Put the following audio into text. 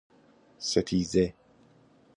ستیزه